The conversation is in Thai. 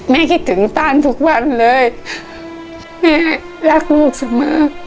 คิดถึงต้านทุกวันเลยแม่รักลูกเสมอ